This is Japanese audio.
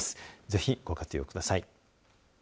ぜひご活用ください。